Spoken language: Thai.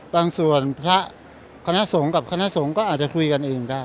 บางส่วนพระคณะสงฆ์กับคณะสงฆ์ก็อาจจะคุยกันเองได้